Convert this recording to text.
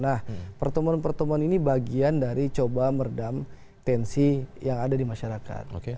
nah pertemuan pertemuan ini bagian dari coba meredam tensi yang ada di masyarakat